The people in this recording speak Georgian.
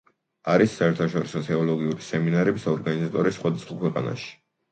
არის საერთაშორისო თეოლოგიური სემინარების ორგანიზატორი სხვადასხვა ქვეყანაში.